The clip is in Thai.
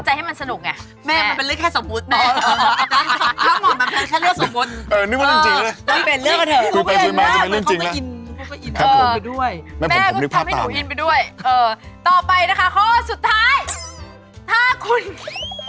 ใช่แต่ถ้าสุดท้ายจนตรอกแล้วปุ๊บนี่ก็แต่ง